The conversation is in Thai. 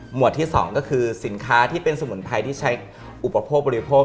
วดที่๒ก็คือสินค้าที่เป็นสมุนไพรที่ใช้อุปโภคบริโภค